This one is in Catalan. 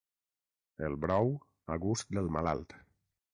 El brou, a gust del malalt.